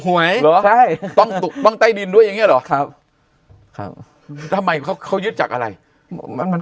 ไหวต้องต้องใต้ดินด้วยอย่างนี้หรอทำไมเขายึดจากอะไรมัน